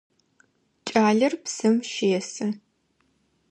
Кӏалэр псым щесы.